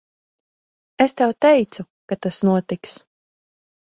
Es tev teicu, ka tas notiks.